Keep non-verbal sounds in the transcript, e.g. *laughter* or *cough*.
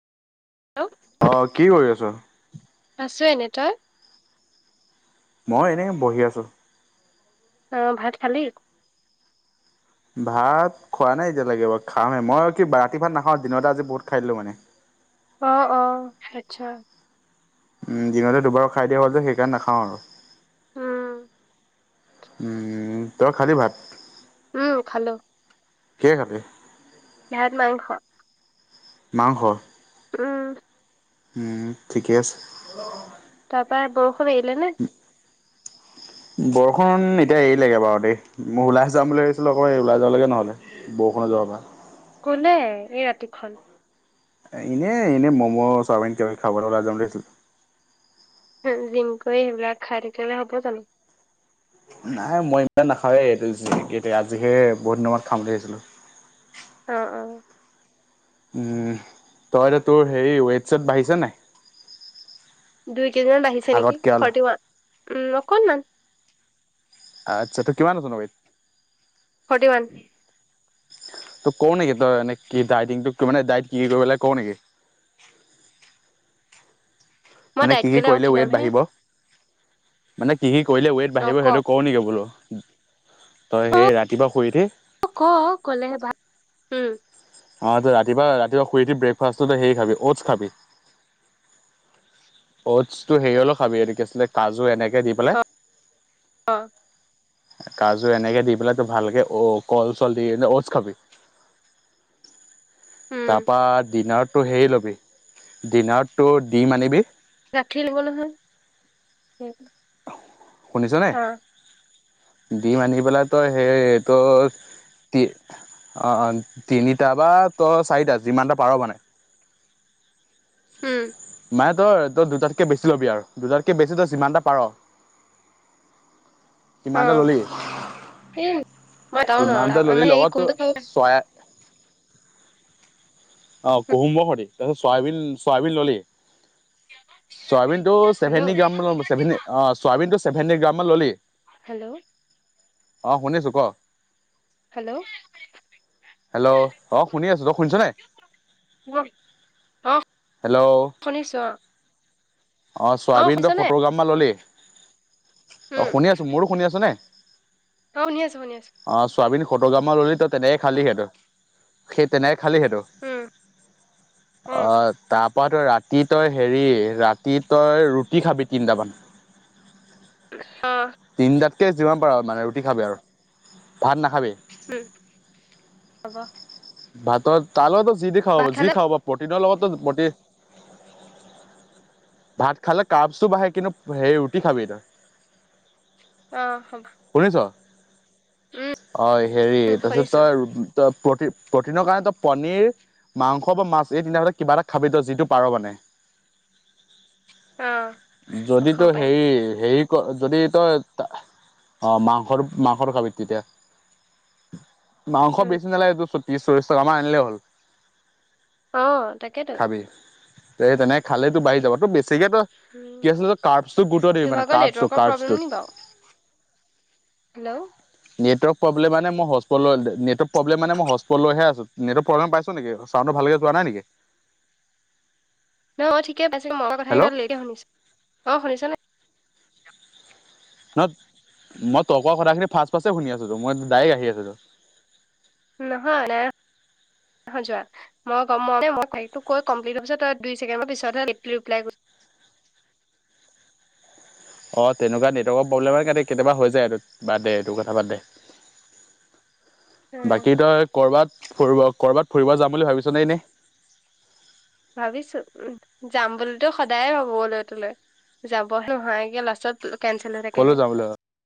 Hello অঁ কি কৰি আছ? আছে নেটট? মই এনে বহি আছোঁ। অঁ ভাত খালি? ভাত খোৱা নাই এতিয়ালৈকে খামহে, মই কি ৰাতি ভাত নাখাওঁ, দিনতে আজি বহুত খাই দিলোঁ মানে। অঁ, অঁ, আচ্ছা! উম দিনতে দুবাৰো খাই দিয়া হ'ল যে, সেইকাৰণ নাখাওঁ আৰু। উম উম, তই খালী ভাত? উম খালো। কি হে খালি? ভাত মাংস মাংস? উ ম উম, ঠিকে আছে। তা পা বৰষুণ এৰিলে নে? *inaudible* বৰষুণ এতিয়া এৰি লাগে বাৰু দেই, মই ওলাই যাম বুলি ভাবিছিলোঁ আকৌ ওলাই যাব লগে নহ'লে। বহুষুণত যাব কোনে ই এই ৰাতিখন? এনে এনেই ম'ম' চাওমিন কি বা কিবি খাবলৈ ওলাই যাম বুলি ভাবিছিলো। জিম কৰি সেইবিলাক খাই থাকিলে হ'ব জানো? নাই মই ইমান নাখাৱেই এইটো এই আজিহে বহুত দিন মূৰত খাম বুলি ভাবিছিলোঁ। অঁ, অঁ উম, তই এতিয়া তোৰ হেৰি ওৱেট- চুৱেট বাঢ়িছে নে নাই? দুই কেজিমানান বাঢ়িছে নেকি, আগতকে অল ফৰটি ওৱান উ অকণমান, আচ্ছা,? তই কিমান ওজন হবি ফৰটি ৱান। তোক কঁও নেকি তই এনে কি ডায়েটিং টো কি ডায়েটিং কি কৰিব লাগে কওঁ নেকি? মই মানে ডাইট কি কি আৰু কৰিলে ৱেট খীণামহে বাঢ়িব? মানে কি কি কৰিলে ৱেইট অ বাঢ়িব ক সেইটো কওঁ নেকি বোলো? তই অ সেই ৰাতিপুৱা শুই উঠি, ক কলেহে ভাল উম অ', ত ৰাতিপা ৰাতিপুৱা শুই দি ব্ৰেকফাষ্টটো সেই খাবি 'ত ঔচ খাবি অটছটো হেৰি হলও খাবি কি আছিলে কাজু এনেকে দি অ পেলাই অ' কাজু এনেকে দি পেলাই তোৰ ভালকে অ কল চল দি ঔটচ খাবি উম তাৰপৰা ডিনাৰটো হেৰি ল'বি, ডিনাৰটো দিম আনিবি গাঠি ল'ব নহয় শুনিছনে? অ দিম আনি পেলাই তই হে হেইটো! অঁ, অঁ, তিনিটা বা তই চাৰিটা যিমানটা পাৰ মানে? উম মানে তই তই দুটাতকৈ বেছি ল'বি আৰু দুটাতকৈ বেছি তো যিমানটা পাৰ অ কিমানটা ললি, এই মই এটাও নোৱাৰো কিমানটা ললি আমাৰ হেৰি লগত কোনটো খাব ছয়া অ', কুম স *unintelligible* তাৰপিছত চয়াবিন চয়াবিন ললি চয়াবিন টো চেভেনি হেল্ল' গ্ৰামভে অ চয়াবিন টো চছেভেঁটি গ্ৰাম মান ললি হেল্ল' অ', শুনিছো ক হেল্ল' হেল্ল' অ শুনি আছো তই শুনিছ নে অ হেল্ল' ', শুনিছো অ। অ', চোৱাবিন টো সত্তৰ গ্ৰাম মান ল'লি অ', উম শুনি আছোঁ মোৰো শুনি আছো নে অ', শুনি আছো শুনি আছো অ', ছয়াবিনগ্ৰাম মানকে ললি ত তেনেকে খালি সেইটো সেই তেনেকে খালি সেইটো উম, অ', তাৰপা তই ৰাতি তই হেৰি ৰাতি তই ৰুটি খাবি তিনটামান অ', তিনিটাকে যিমান পাৰ আৰু মানে ৰুটি খাবি আৰু ভাত নাখাবি উম হ'ব ভাতৰ তাৰ লগতো যি দি খাব ভাত যি খালে খাব প্ৰটিনৰ লগতো ভাত খালে কাপ চো বাঢ়ে কিন্তু সে ৰুটি খাবি তই অ', হ'ব। শুনিছ উম অ', হেৰি উম তাৰপিছত শুনিছো তই ত প্ৰ প্ৰটিনৰ কাৰণে তই পনীৰ মাংস বা মাছ এই তিনিটা ভিতৰত কিবা এটা খাবি তই যিটো পাৰ মানে অ যদি তো খাব পাৰিম সেই হেৰি যদি তই অ মাংসৰ মাংসৰ খাবি তেতিয়া মাংস উম বেছি নালেগে তোৰ ত্ৰিশ চল্লিশ টকা মান আনিলেই হ'ল অ', তাকে খাবি। তে তেনেকে খালেই তোৰ বাঢ়ি যাব তোৰ বেছি চিকেতো উম কি আছিল কাৰভচটো গোৰুট দিবি তোৰ মানে ভাগৰ কাৰভচটো নেটৱৰ্কৰ প্ৰব্লেম নি কাৰভচটোত বাৰু হেল্ল' নেটৱৰ্ক প্ৰব্লেম মানে মই হষ্টপত লৈহে আছোঁ নেৱৰ্ক প্ৰব্লেম মানে মই হস্পত লৈ আছো নেটৱক প্ৰব্লেম পাইছো নেকি চাউণ্ডটো ভালকে যোৱা নাই নেকি। নহয় অ', ঠিকে পাইছোঁ মইৰ কথাখিনি হেল্ল' অলপ লেটকে শুনিছো অঁ শুনিছ নাই ন মই তই কোৱা কথাখিন ফাৰ্ষ্ট ফাৰ্ষ্ট শুনি আছোটো মই ডাইৰেক্ট আহি আছোটো নহয় ন হাজাৰ মই গম মই কৈ *inaudible* কমপ্লিট হোৱা দুই ছেকেণ্ডৰ পিছতহে ৰিপ্লাইটো কৰিছ অ', তেনেকুৱা নেটৱৰ্কৰ প্ৰব্লেম হয় কাৰনে কেতিয়াবা হৈ যায় এইটো বাদ দে এইটো কথা বাদে কৰিছ বাকী তই কৰবাত ফুৰিব কৰবাত ফুৰিব যাম বুলি ভাবিছ নে এনেই। ভাবিছো উম যাম বুলিতো সদায় ভাবো অলৈ তলৈ যাবহে নহয় গে লাষ্টত কেঞ্চেল হৈ ক'লৈ থাকেগে। যাম বুলি ভাবিছ?